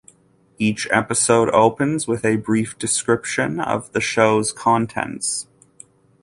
Each episode opens with a brief description of the show's contents.